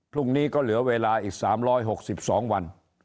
พรุ่งนี้ก็เหลือเวลาอีก๓๖๒วัน